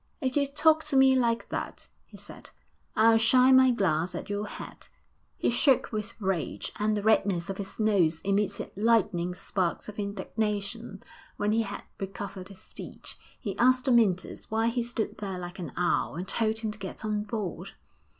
'If you talk to me like that,' he said, 'I'll shy my glass at your head.' He shook with rage, and the redness of his nose emitted lightning sparks of indignation; when he had recovered his speech, he asked Amyntas why he stood there like an owl, and told him to get on board.